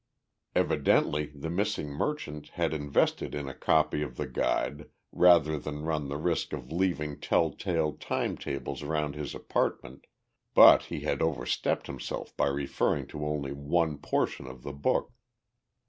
Evidently the missing merchant had invested in a copy of the Guide rather than run the risk of leaving telltale time tables around his apartment, but he had overstepped himself by referring to only one portion of the book.